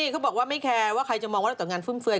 เขาบอกว่าไม่แคร์คือใครจะมองว่าเราดูตรงงานฟึ้มเฟย